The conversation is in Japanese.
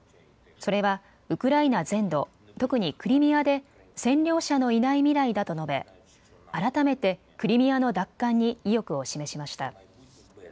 それはウクライナ全土、特にクリミアで占領者のいない未来だと述べ改めてクリミアの奪還に意欲を示しました。